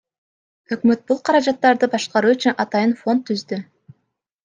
Өкмөт бул каражаттарды башкаруу үчүн атайын фонд түздү.